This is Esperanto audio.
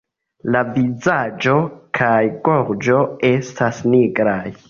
La vizaĝo kaj gorĝo estas nigraj.